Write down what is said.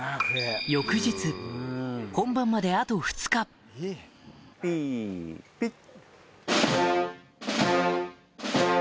翌日本番まであと２日ピピッ。